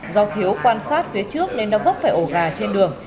do thiếu quan sát phía trước nên nó vấp phải ổ gà trên đường